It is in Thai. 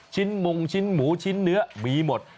ชิ้นหมุงชิ้นหมูชิ้นเนื้อมีหมด